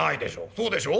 そうでしょう？